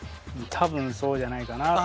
多分そうじゃないかなって。